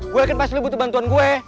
gue yakin pasti butuh bantuan gue